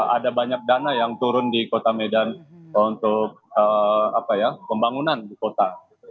ada banyak dana yang turun di kota medan untuk pembangunan di kota